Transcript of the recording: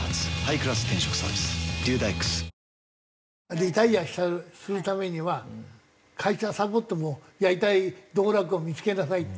リタイアするためには会社サボってもやりたい道楽を見付けなさいって。